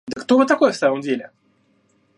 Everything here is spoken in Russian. Да кто вы такой, в самом деле?